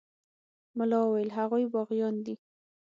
ملا وويل هغوى باغيان دي.